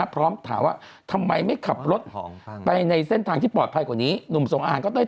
พร้อมถามว่าทำไมไม่ขับรถไปในเส้นทางที่ปลอดภัยกว่านี้หนุ่มส่งอาหารก็ได้